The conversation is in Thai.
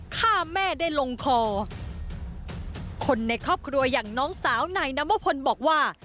ฆ่าแม่ได้ลงคอคนในครอบครัวอย่างน้องสาวนายนวพลบอกว่า